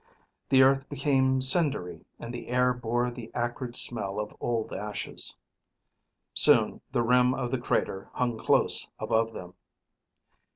The earth became cindery and the air bore the acrid smell of old ashes. Soon the rim of the crater hung close above them.